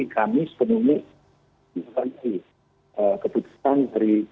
kami sepenuhnya seperti keputusan dari p tiga